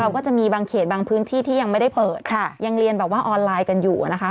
ก็จะมีบางเขตบางพื้นที่ที่ยังไม่ได้เปิดค่ะยังเรียนแบบว่าออนไลน์กันอยู่นะคะ